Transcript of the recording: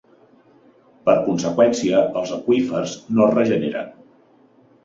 Per conseqüència els aqüífers no es regeneren.